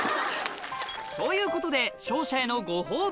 ということで勝者へのご褒美